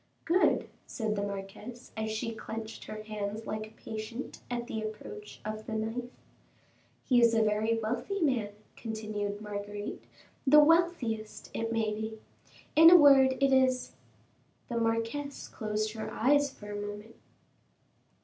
"Good," said the marquise, as she clenched her hands like a patient at the approach of the knife. "He is a very wealthy man," continued Marguerite; "the wealthiest, it may be. In a word, it is " The marquise closed her eyes for a moment.